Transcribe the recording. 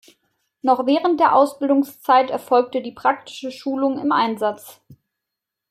Noch während der Ausbildungszeit erfolgte die praktische Schulung im Einsatz.